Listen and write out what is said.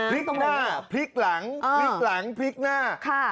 พริกหน้าพริกหลังพริกหลังพริกหน้า